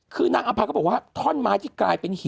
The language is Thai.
คือนักอำภาคก็พูดว่าท่อนไม้ที่กลายเป็นหินเนี่ย